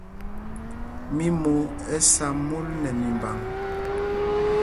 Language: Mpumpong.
Mimo ɛ sá mul nɛ mimbǎŋ.